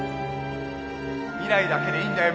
未来だけでいいんだよ